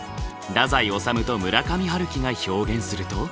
太宰治と村上春樹が表現すると。